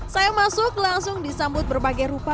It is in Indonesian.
saya masuk langsung disambut berbagai rupa